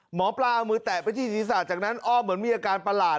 หมอปลาเอามือแตะไปที่ศีรษะจากนั้นอ้อมเหมือนมีอาการประหลาด